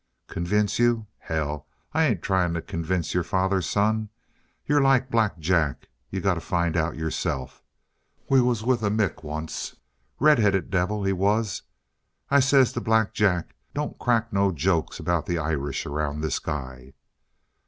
"Convince you? Hell, I ain't trying to convince your father's son. You're like Black Jack. You got to find out yourself. We was with a Mick, once. Red headed devil, he was. I says to Black Jack: 'Don't crack no jokes about the Irish around this guy!'